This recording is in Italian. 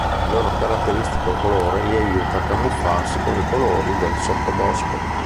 Il loro caratteristico colore li aiuta a camuffarsi con i colori del sottobosco.